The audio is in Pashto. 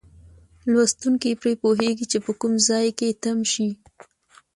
لوستونکی پرې پوهیږي چې په کوم ځای کې تم شي.